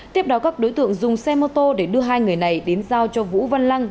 tiếp đó các đối tượng dùng xe mô tô để đưa hai người này đến giao cho vũ văn lăng